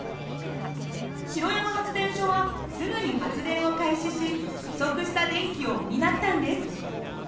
城山発電所はすぐに発電を開始し不足した電気を補ったんです。